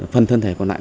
phần thân thể còn lại